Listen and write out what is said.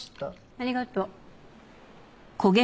ありがとう。